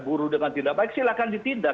buru dengan tidak baik silakan ditindak